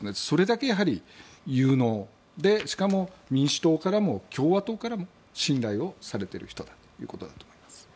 それだけ有能でしかも民主党からも共和党からも信頼をされている人だということだと思います。